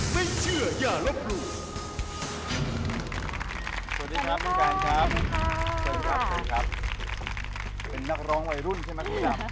เป็นนักร้องใหม่รุ่นใช่ปะพี่นำ